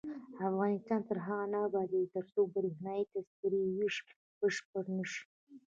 افغانستان تر هغو نه ابادیږي، ترڅو بریښنايي تذکرې ویش بشپړ نشي.